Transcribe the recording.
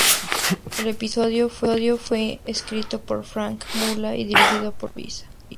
El episodio fue escrito por Frank Mula y dirigido por Carlos Baeza.